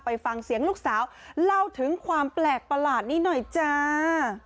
ไปฟังเสียงลูกสาวเล่าถึงความแปลกประหลาดนี้หน่อยจ้า